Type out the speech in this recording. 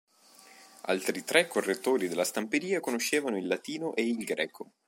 Altri tre correttori della stamperia conoscevano il latino e il greco.